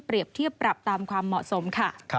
เทียบปรับตามความเหมาะสมค่ะ